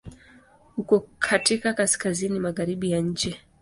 Uko katika Kaskazini magharibi ya nchi.